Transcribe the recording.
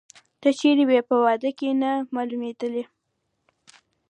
ته چیري وې، په واده کې نه مالومېدلې؟